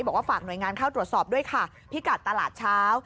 บอกว่าฝากหน่วยงานเข้าตรวจสอบด้วยค่ะพิกัดตลาดเช้า